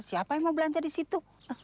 siapa yang mau belanja di situ